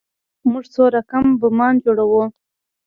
موږ څو رقم بمان جوړوو.